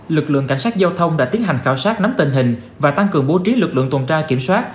lực lượng cảnh sát giao thông đã tiến hành khảo sát nắm tình hình và tăng cường bố trí lực lượng tuần tra kiểm soát